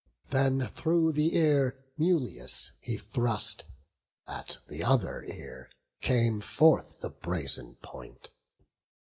Then through the ear Mulius he thrust; at th' other ear came forth The brazen point.